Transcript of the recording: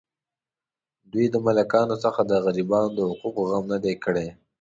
دوی د ملاکانو څخه د غریبانو د حقوقو غم نه دی کړی.